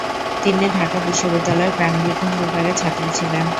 তিনি ঢাকা বিশ্ববিদ্যালয়ের প্রাণিবিজ্ঞান বিভাগের ছাত্রী ছিলেন।